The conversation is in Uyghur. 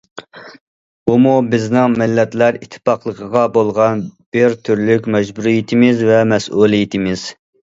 بۇمۇ بىزنىڭ مىللەتلەر ئىتتىپاقلىقىغا بولغان بىر تۈرلۈك مەجبۇرىيىتىمىز ۋە مەسئۇلىيىتىمىز.